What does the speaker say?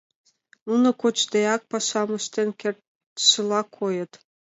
Нуно кочдеак пашам ыштен кертшыла койыт.